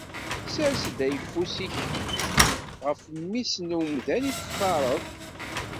Ssers-d ayeffus-ik ɣef mmi-s n umdan i textareḍ.